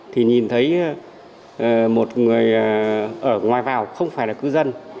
thì nhìn thấy một người ở ngoài vào không phải là cư dân